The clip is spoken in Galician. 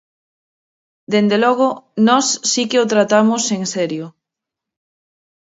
Dende logo, nós si que o tratamos en serio.